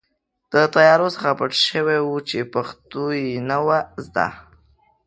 د طیارو څخه پټ شوي وو چې پښتو یې نه وه زده.